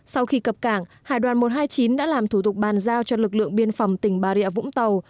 sau khi cập cảng hải đoàn một trăm hai mươi chín đã làm thủ tục bàn giao cho lực lượng biên phòng tỉnh bà rịa vũng tàu